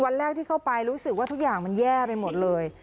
วันแรกที่เข้าไปรู้สึกว่าทุกอย่างมันแย่ไปหมดเลย